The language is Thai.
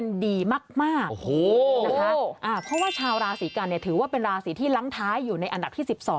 นะคะราศีกัญเขาอยู่ในอันดับ๑๒